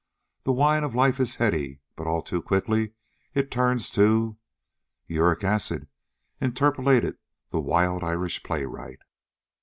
The wine of life is heady, but all too quickly it turns to " "Uric acid," interpolated the wild Irish playwright.